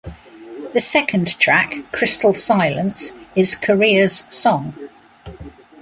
The second track, "Crystal Silence", is Corea's song.